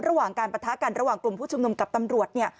ระหว่างการประทะกันระหว่างกลุ่มผู้ชุมนุมกับตำรวจเนี่ย